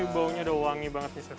baunya udah wangi banget